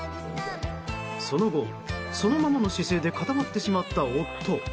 その後、そのままの姿勢で固まってしまった夫。